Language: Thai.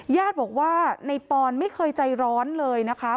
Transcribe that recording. ญาติบอกว่าในปอนไม่เคยใจร้อนเลยนะคะ